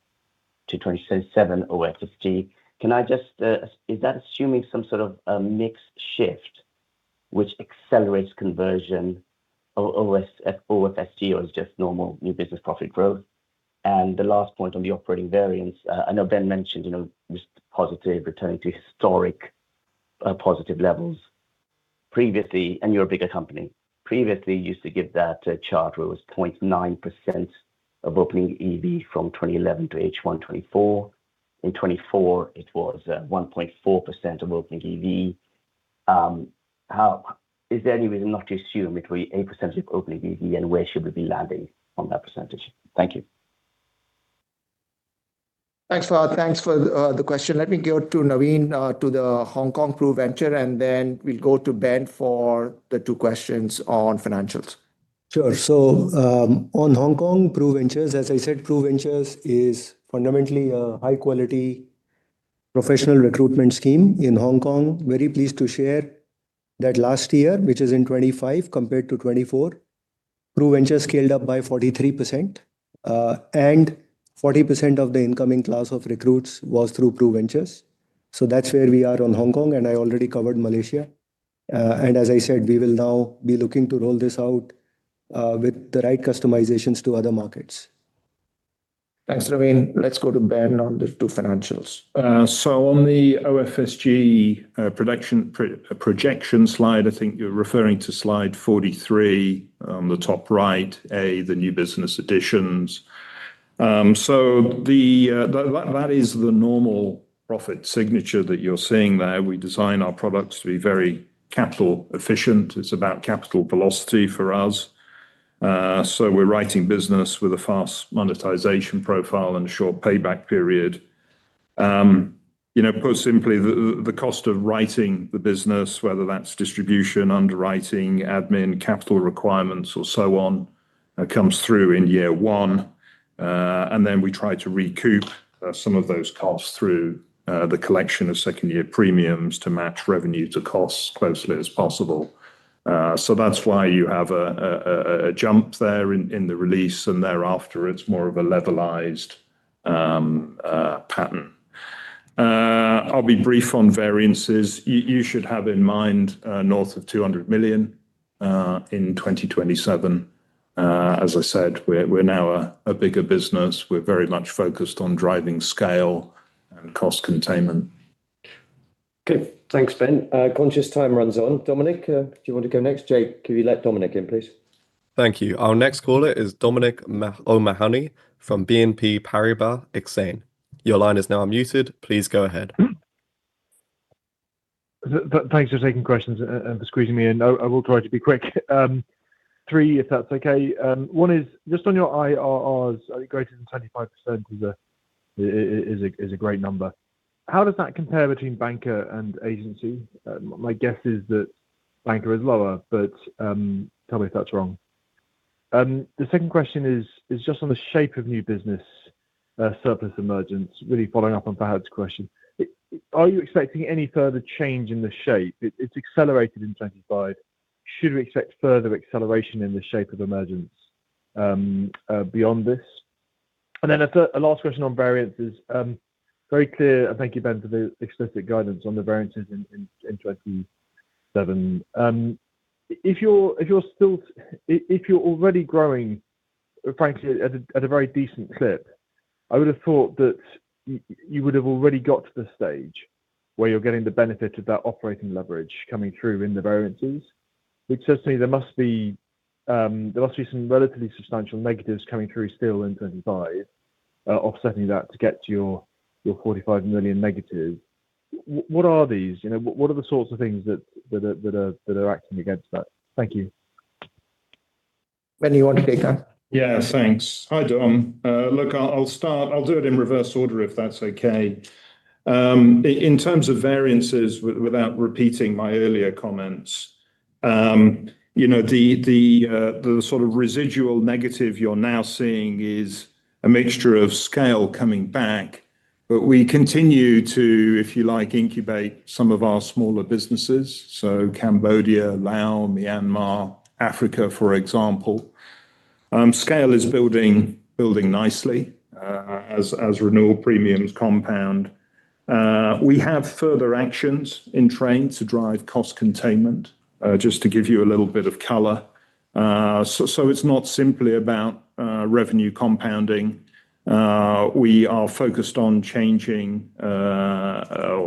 to 2027 OFSG. Can I just— Is that assuming some sort of a mixed shift which accelerates conversion OFSG or is just normal new business profit growth? The last point on the operating variance, I know Ben mentioned, you know, just positive returning to historic, positive levels. Previously, and you're a bigger company. Previously, you used to give that, chart where it was 0.9% of opening EV from 2011 to H1 2024. In 2024, it was 1.4% of opening EV. Is there any reason not to assume it will be 8% of opening EV, and where should we be landing on that percentage? Thank you. Thanks. Thanks for the question. Let me go to Naveen to the Hong Kong PRUVenture, and then we'll go to Ben for the two questions on financials. Sure. On Hong Kong PRUVenture, as I said, PRUVenture is fundamentally a high-quality professional recruitment scheme in Hong Kong. Very pleased to share that last year, which is in 2025 compared to 2024, PRUVenture scaled up by 43%. And 40% of the incoming class of recruits was through PRUVenture. That's where we are on Hong Kong, and I already covered Malaysia. And as I said, we will now be looking to roll this out with the right customizations to other markets. Thanks, Naveen. Let's go to Ben on the two financials. On the OFSG production projection slide, I think you're referring to slide 43 on the top right, A, the new business additions. That is the normal profit signature that you're seeing there. We design our products to be very capital efficient. It's about capital velocity for us. We're writing business with a fast monetization profile and short payback period. You know, put simply, the cost of writing the business, whether that's distribution, underwriting, admin, capital requirements or so on, comes through in year one. Then we try to recoup some of those costs through the collection of second-year premiums to match revenue to costs as closely as possible. That's why you have a jump there in the release, and thereafter it's more of a levelized pattern. I'll be brief on variances. You should have in mind north of $200 million in 2027. As I said, we're now a bigger business. We're very much focused on driving scale and cost containment. Okay. Thanks, Ben. Conscious time runs on. Dominic, do you want to go next? Jake, could you let Dominic in, please? Thank you. Our next caller is Dominic O'Mahony from BNP Paribas Exane. Your line is now unmuted. Please go ahead. Thanks for taking questions and for squeezing me in. I will try to be quick. Three, if that's okay. One is just on your IRRs, greater than 25% is a great number. How does that compare between banker and agency? My guess is that banker is lower, but tell me if that's wrong. The second question is just on the shape of new business, surplus emergence, really following up on Fahad's question. Are you expecting any further change in the shape? It's accelerated in 2025. Should we expect further acceleration in the shape of emergence beyond this? Then the last question on variances. Very clear, and thank you, Ben, for the explicit guidance on the variances in 2027. If you're already growing, frankly at a very decent clip, I would have thought that you would have already got to the stage where you're getting the benefit of that operating leverage coming through in the variances. Which says to me there must be some relatively substantial negatives coming through still in 2025, offsetting that to get to your -$45 million. What are these? You know, what are the sorts of things that are acting against that? Thank you. Ben, you want to take that? Yeah. Thanks. Hi, Dom. Look, I'll start. I'll do it in reverse order if that's okay. In terms of variances, without repeating my earlier comments, you know, the sort of residual negative you're now seeing is a mixture of scale coming back. We continue to, if you like, incubate some of our smaller businesses, so Cambodia, Laos, Myanmar, Africa, for example. Scale is building nicely, as renewal premiums compound. We have further actions in train to drive cost containment, just to give you a little bit of color. It's not simply about revenue compounding. We are focused on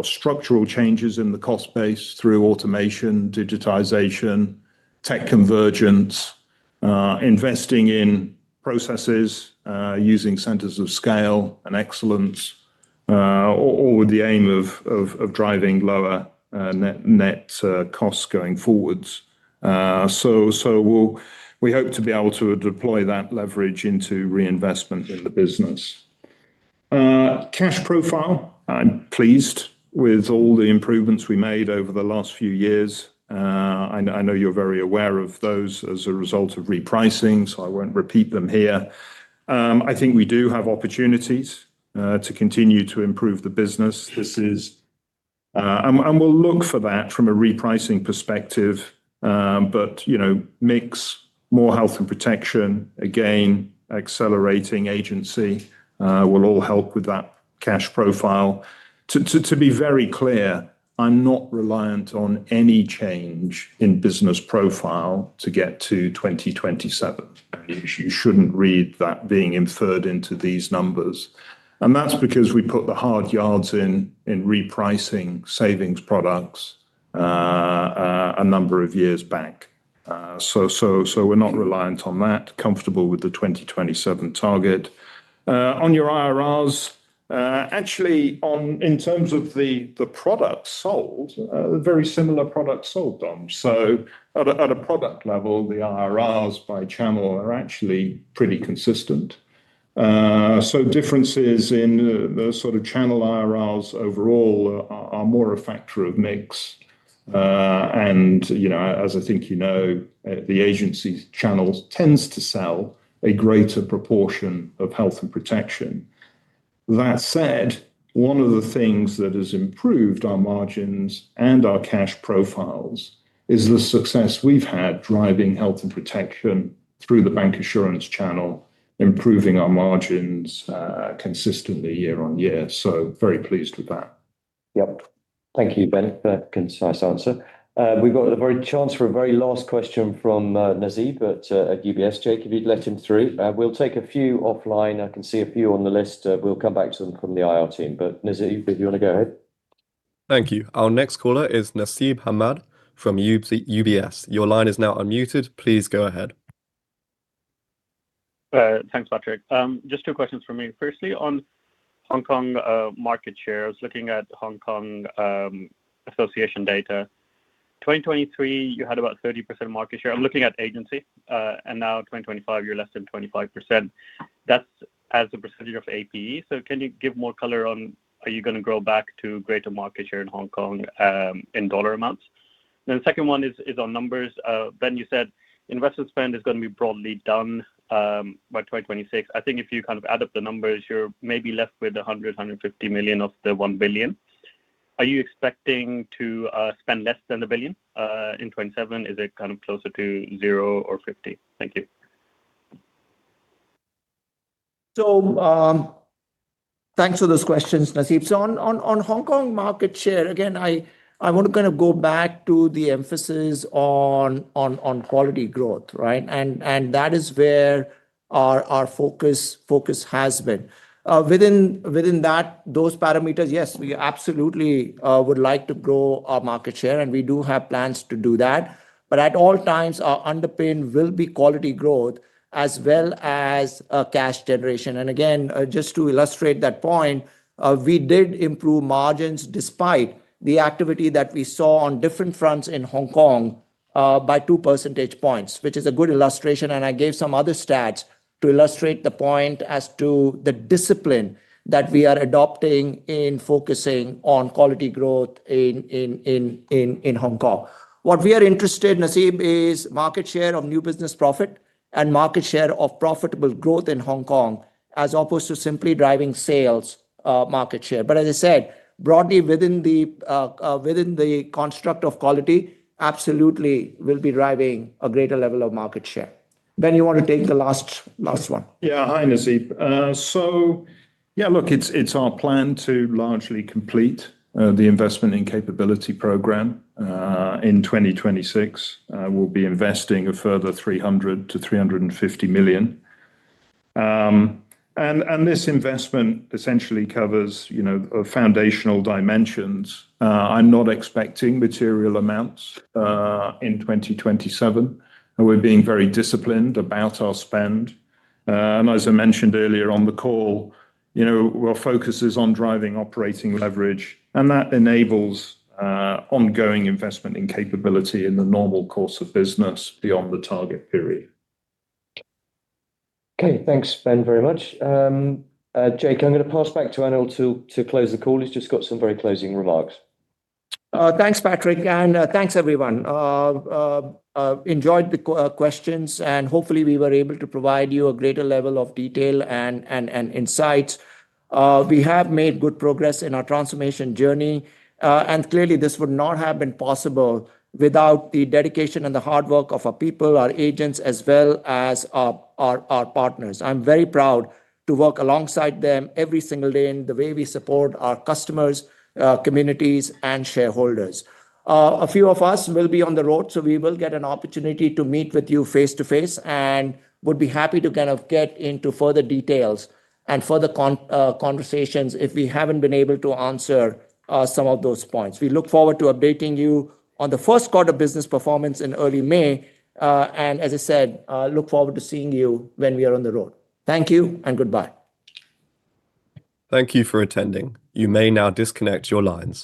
structural changes in the cost base through automation, digitization, tech convergence, investing in processes, using centers of scale and excellence. All with the aim of driving lower net costs going forward. We hope to be able to deploy that leverage into reinvestment in the business. Cash profile, I'm pleased with all the improvements we made over the last few years. I know you're very aware of those as a result of repricing, so I won't repeat them here. I think we do have opportunities to continue to improve the business. We'll look for that from a repricing perspective. You know, mix more health and protection, again, accelerating agency, will all help with that cash profile. To be very clear, I'm not reliant on any change in business profile to get to 2027. You shouldn't read that being inferred into these numbers. That's because we put the hard yards in repricing savings products a number of years back. We're not reliant on that, comfortable with the 2027 target. On your IRRs, in terms of the products sold, very similar products sold, Dom. At a product level, the IRRs by channel are actually pretty consistent. Differences in the sort of channel IRRs overall are more a factor of mix. You know, as I think you know, the agency channels tends to sell a greater proportion of health and protection. That said, one of the things that has improved our margins and our cash profiles is the success we've had driving health and protection through the bank insurance channel, improving our margins consistently year-on-year. Very pleased with that. Yep. Thank you, Ben, for that concise answer. We've got a chance for a very last question from Nasib at UBS. Jake, if you'd let him through. We'll take a few offline. I can see a few on the list. We'll come back to them from the IR team. Nasib, if you wanna go ahead. Thank you. Our next caller is Nasib Ahmed from UBS. Your line is now unmuted. Please go ahead. Thanks, Patrick. Just two questions from me. Firstly, on Hong Kong market share. I was looking at Hong Kong association data. 2023, you had about 30% market share. I'm looking at agency. Now 2025, you're less than 25%. That's as a percentage of APE. Can you give more color on are you gonna grow back to greater market share in Hong Kong in dollar amounts? Then the second one is on numbers. Ben, you said investment spend is gonna be broadly done by 2026. I think if you kind of add up the numbers, you're maybe left with $150 million of the $1 billion. Are you expecting to spend less than $1 billion in 2027? Is it kind of closer to zero or 50? Thank you. Thanks for those questions, Nasib. On Hong Kong market share, again, I want to kind of go back to the emphasis on quality growth, right? That is where our focus has been. Within that, those parameters, yes, we absolutely would like to grow our market share, and we do have plans to do that. At all times, our underpin will be quality growth as well as cash generation. Again, just to illustrate that point, we did improve margins despite the activity that we saw on different fronts in Hong Kong by two percentage points, which is a good illustration. I gave some other stats to illustrate the point as to the discipline that we are adopting in focusing on quality growth in Hong Kong. What we are interested, Nasib, is market share of new business profit and market share of profitable growth in Hong Kong as opposed to simply driving sales, market share. As I said, broadly within the construct of quality, absolutely we'll be driving a greater level of market share. Ben, you want to take the last one? Yeah. Hi, Nasib. So yeah, look, it's our plan to largely complete the investment in capability program in 2026. We'll be investing a further $300 million-$350 million. And this investment essentially covers, you know, foundational dimensions. I'm not expecting material amounts in 2027, and we're being very disciplined about our spend. And as I mentioned earlier on the call, you know, our focus is on driving operating leverage, and that enables ongoing investment in capability in the normal course of business beyond the target period. Okay. Thanks, Ben, very much. Jake, I'm gonna pass back to Anil to close the call. He's just got some very closing remarks. Thanks, Patrick, and thanks everyone. Enjoyed the questions, and hopefully, we were able to provide you a greater level of detail and insight. We have made good progress in our transformation journey, and clearly, this would not have been possible without the dedication and the hard work of our people, our agents, as well as our partners. I'm very proud to work alongside them every single day in the way we support our customers, communities, and shareholders. A few of us will be on the road, so we will get an opportunity to meet with you face-to-face and would be happy to kind of get into further details and further conversations if we haven't been able to answer some of those points. We look forward to updating you on the first quarter business performance in early May, and as I said, look forward to seeing you when we are on the road. Thank you and goodbye. Thank you for attending. You may now disconnect your lines.